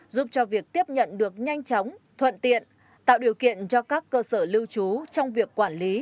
giúp cho việc tiếp nhận được nhanh chóng thuận tiện tạo điều kiện cho các cơ sở lưu trú trong việc quản lý